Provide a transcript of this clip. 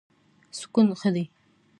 سکون ښه دی.